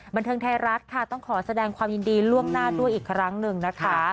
บันเทิงไทยรัฐค่ะต้องขอแสดงความยินดีล่วงหน้าด้วยอีกครั้งหนึ่งนะคะ